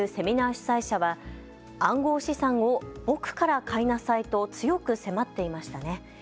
主催者は暗号資産を僕から買いなさいと強く迫っていましたね。